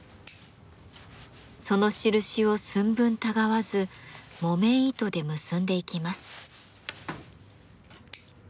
その印を寸分たがわず木綿糸で結んでいきます。